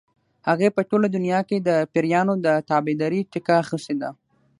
هغې په ټوله دنیا کې د پیریانو د تابعدارۍ ټیکه اخیستې ده.